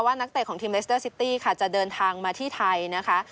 นักเตะของทีมเลสเตอร์ซิตี้ค่ะจะเดินทางมาที่ไทยนะคะ